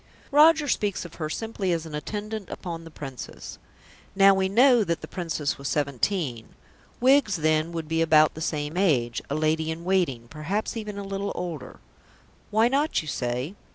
Roger speaks of her simply as an attendant upon the Princess. Now we know that the Princess was seventeen; Wiggs then would be about the same age a lady in waiting perhaps even a little older. Why not? you say.